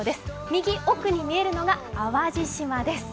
右奥に見えるのが淡路島です。